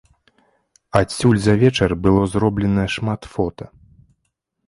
Адсюль за вечар было зроблена шмат фота.